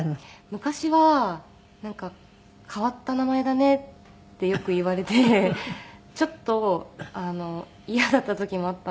昔はなんか「変わった名前だね」ってよく言われてちょっと嫌だった時もあったんですけど。